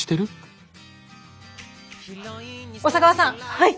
はい。